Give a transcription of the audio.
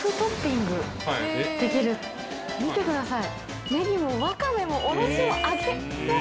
見てください。